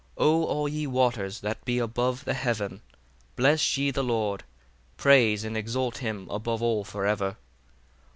38 O all ye waters that be above the heaven, bless ye the Lord: praise and exalt him above all for ever.